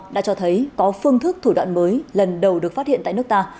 đã cho thấy có phương thức thủ đoạn mới lần đầu được phát hiện tại nước ta